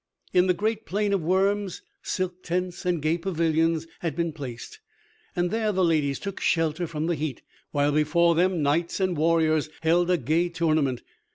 In the great plain of Worms silk tents and gay pavilions had been placed. And there the ladies took shelter from the heat, while before them knights and warriors held a gay tournament.